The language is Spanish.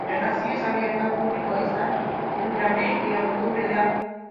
El castillo está abierto al público entre abril y octubre, de a